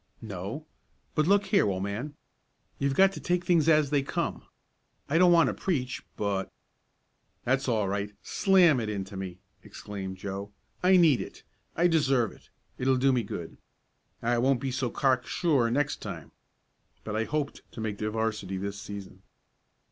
"No. But look here, old man; you've got to take things as they come. I don't want to preach, but " "That's all right slam it into me!" exclaimed Joe. "I need it I deserve it. It'll do me good. I won't be so cock sure next time. But I hoped to make the 'varsity this season."